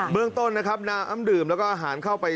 เมืองต้นนะครับนาอ้ำดื่มแล้วก็อาหารเข้าไป